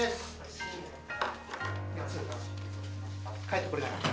帰ってこれなかった。